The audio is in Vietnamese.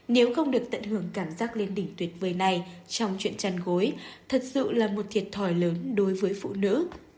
nếu không được tận hưởng cảm giác lên đỉnh tuyệt vời này trong chuyện chăn gối thật sự là một thiệt thòi lớn đối với phụ nữ